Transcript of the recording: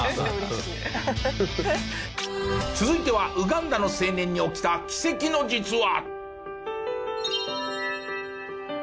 続いてはウガンダの青年に起きた奇跡の実話。